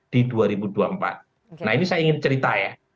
di dua ribu dua puluh empat nah ini saya ingin cerita ya